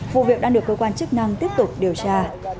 vụ việc đang được cơ quan chức năng tiếp tục điều tra